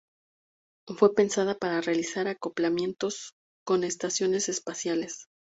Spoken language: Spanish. Fue pensada para realizar acoplamientos con estaciones espaciales.